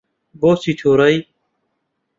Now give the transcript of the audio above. بۆچی تووڕەی؟